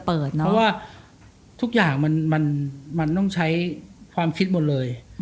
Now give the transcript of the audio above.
เพราะว่าทุกอย่างมันต้องใช้ความคิดหมดเลย